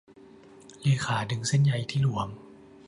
เลขาดึงเส้นใยที่หลวม